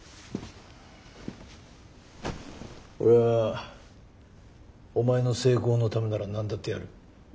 俺はお前の成功のためなら何だってやる。